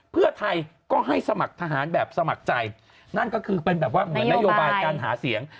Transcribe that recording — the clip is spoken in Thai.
เพื่อไทยก็ให้สมัครทหารแบบสมัครใจนั่นก็คือเป็นแบบว่าเหมือนนโยบายการหาเสียง